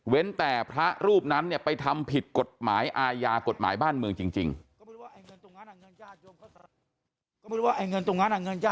แต่พระรูปนั้นเนี่ยไปทำผิดกฎหมายอาญากฎหมายบ้านเมืองจริง